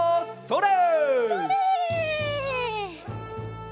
それ！